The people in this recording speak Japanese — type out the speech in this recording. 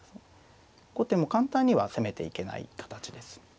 後手も簡単には攻めていけない形です。